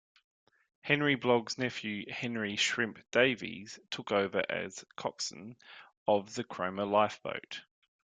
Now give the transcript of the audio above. Henry Blogg's nephew Henry "Shrimp" Davies took over as coxswain of the Cromer Lifeboat.